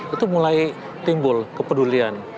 itu mulai timbul kepedulian